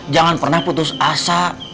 jangan pernah putus asa